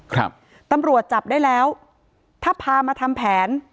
ครับตำรวจจับได้แล้วถ้าพามาทำแผน